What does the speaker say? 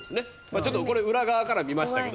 ちょっとこれ裏側から見ましたけど。